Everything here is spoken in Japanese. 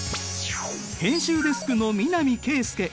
編集デスクの南圭介。